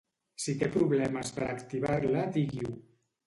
Si té problemes per activar-la digui-ho.